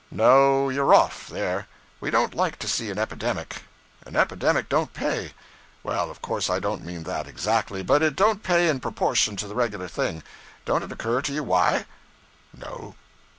'No, you're off, there. We don't like to see an epidemic. An epidemic don't pay. Well, of course I don't mean that, exactly; but it don't pay in proportion to the regular thing. Don't it occur to you, why?' No.